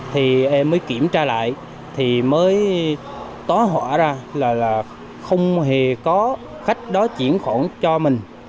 thì em mới kiểm tra lại thì mới tóa họa ra là không hề có khách đó chuyển khoản cho mình